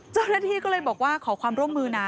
เจ้าหน้าที่ก็เลยบอกว่าขอความร่วมมือนะ